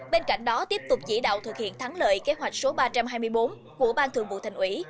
bên cạnh đó tiếp tục chỉ đạo thực hiện thắng lợi kế hoạch số ba trăm hai mươi bốn của ban thường vụ thành ủy